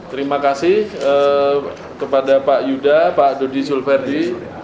terima kasih kepada pak yuda pak dodi sulverdi